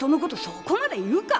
そこまで言うか？